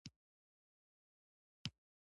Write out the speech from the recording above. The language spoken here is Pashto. لټ مه پاته کیږئ